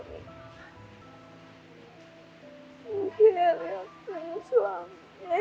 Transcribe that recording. mungkin hanya suami